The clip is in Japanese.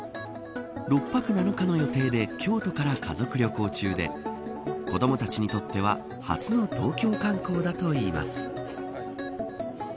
６泊７日の予定で京都から家族旅行中で子どもたちにとっては初の東京観光だといいます。